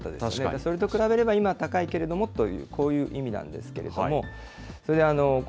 それと比べれば、今、高いけれどもという、こういう意味なんですけれども。